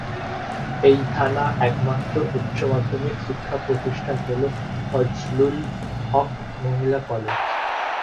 এই থানা একমাত্র উচ্চমাধ্যমিক শিক্ষাপ্রতিষ্ঠান হলো ফজলুল হক মহিলা কলেজ।